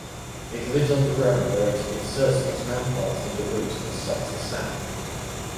It lives underground where it inserts its mouthparts into roots and sucks the sap.